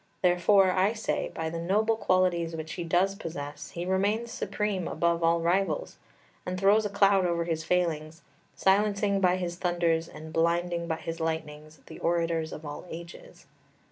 Therefore, I say, by the noble qualities which he does possess he remains supreme above all rivals, and throws a cloud over his failings, silencing by his thunders and blinding by his lightnings the orators of all ages.